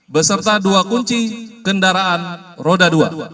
beserta dua kunci kendaraan roda dua